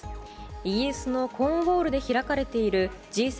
イギリスのコーンウォールで開かれているＧ７